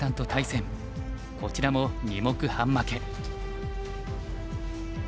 こちらも２目半負け。